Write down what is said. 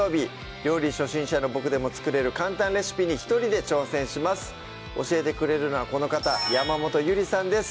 料理初心者のボクでも作れる簡単レシピに一人で挑戦します教えてくれるのはこの方山本ゆりさんです